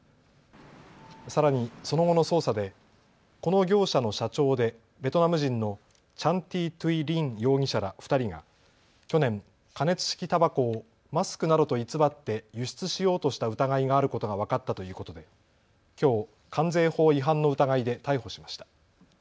さらにその後の捜査でこの業者の社長でベトナム人のチャン・ティ・トゥイ・リン容疑者ら２人が去年、加熱式たばこをマスクなどと偽って輸出しようとした疑いがあることが分かったということできょう関税法違反の疑いで逮捕しました。